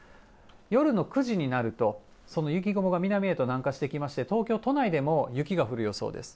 夜の９時になると、その雪雲が南へと南下してきまして、東京都内でも雪が降る予想です。